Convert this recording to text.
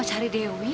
saya mau cari dewi